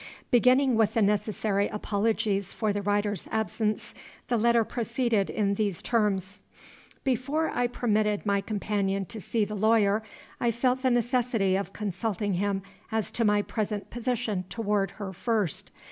Beginning with the necessary apologies for the writer's absence, the letter proceeded in these terms: "Before I permitted my companion to see the lawyer, I felt the necessity of consulting him as to my present position toward her first.